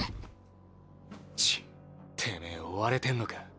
チッてめぇ追われてんのか。